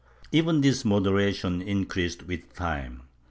^ Even this moderation increased with time.